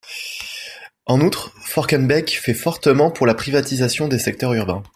En outre, Forckenbeck fait fortement pour la privatisation des secteurs urbains.